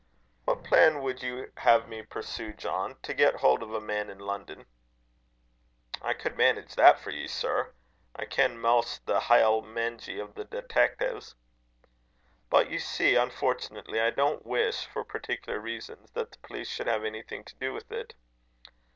"What plan would you have me pursue, John, to get hold of a man in London?" "I could manage that for ye, sir. I ken maist the haill mengie o' the detaictives." "But you see, unfortunately, I don't wish, for particular reasons, that the police should have anything to do with it."